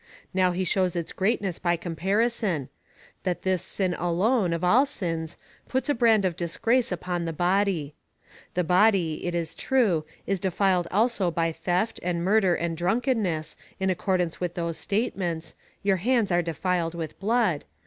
Now he shows its greatness by comparison — that this sin alone, of all sins, puts a brand of disgrace upon the body. The body, it is true, is defiled also by theft, and murder, and drunkenness, in accordance with those statements — Your hands are defiled with blood.